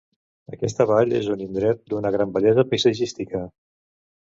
Aquesta vall és un indret d'una gran bellesa paisatgística.